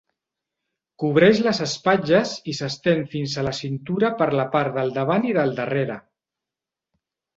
Cobreix les espatlles i s'estén fins a la cintura per la part del davant i del darrere.